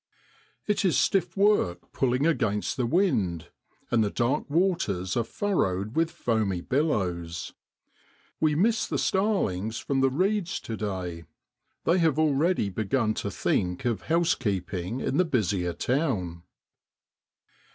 It is stiff work pulling against the wind, and the dark waters are furrowed with foamy billows. We miss the starlings from the reeds to day. They have already begun to think of housekeeping in the busier town.